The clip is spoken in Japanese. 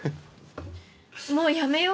もうやめよう！